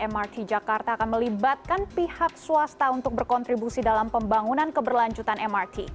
mrt jakarta akan melibatkan pihak swasta untuk berkontribusi dalam pembangunan keberlanjutan mrt